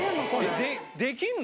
できんの？